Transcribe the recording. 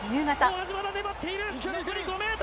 大橋、まだ粘っている！